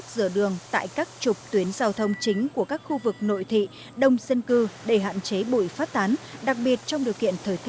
xác định giao thông sẽ triển khai quyết định